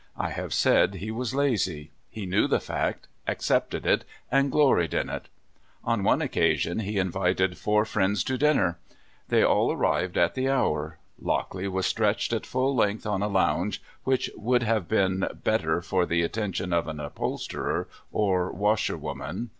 I have said he was lazy. He knew the fact, accepted it, and gloried in it. On one occasion he invited four friends to supper. They all arrived at the hour. Lockley was stretched at full length on a lounge which would have been better for the attention of an upholsterer or washerwoman.